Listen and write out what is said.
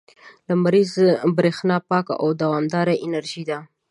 • لمریزه برېښنا پاکه او دوامداره انرژي ده.